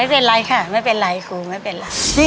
ไม่เป็นไรค่ะไม่เป็นไรครูไม่เป็นไร